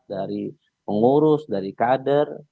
dari pengurus dari kader